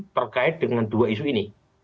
terkait dengan dua isu ini